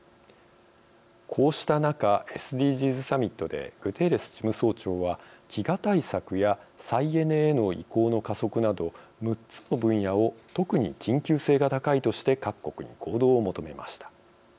こうした中、ＳＤＧｓサミットでグテーレス事務総長は飢餓対策や再エネへの移行の加速など、６つの分野を特に緊急性が高いとして各国に行動を求めました。